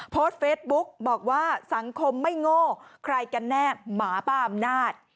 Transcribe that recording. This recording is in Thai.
โพสต์เฟซบุ๊กบอกว่าสังคมไม่โง่ใครกันแน่หมาป้าอำนาจ